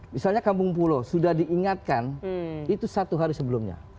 misalnya kampung pulau sudah diingatkan itu satu hari sebelumnya